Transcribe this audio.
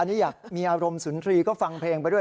อันนี้อยากมีอารมณ์สุนทรีย์ก็ฟังเพลงไปด้วย